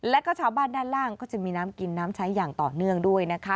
แล้วก็ชาวบ้านด้านล่างก็จะมีน้ำกินน้ำใช้อย่างต่อเนื่องด้วยนะคะ